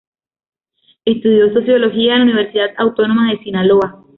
Estudió sociología en la Universidad Autónoma de Sinaloa.